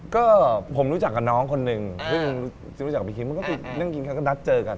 ก็ผมรู้จักกับน้องคนหนึ่งเพิ่งรู้จักกับพี่คิมก็คือนั่งกินเขาก็นัดเจอกัน